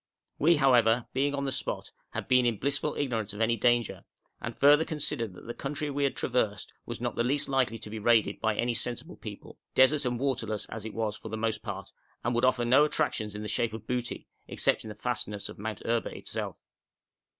We, however, being on the spot, had been in blissful ignorance of any danger, and further considered that the country we had traversed was not the least likely to be raided by any sensible people, desert and waterless as it was for the most part, and would offer no attractions in the shape of booty, except in the fastnesses of Mount Erba itself.